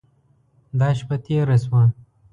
دا شپه تېره شوه.